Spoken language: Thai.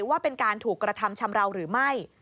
ว่าเป็นการถูกกระทำชำราวหรือไม่